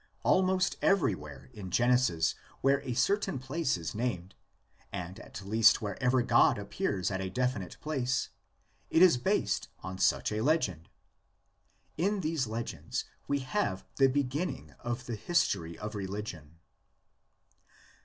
Almost everywhere in Genesis where a certain place is named, and at least wherever God appears at a definite place, it is 34 THE LEGENDS OF GENESIS. based on such a legend. In these legends we have the beginning of the history of religion.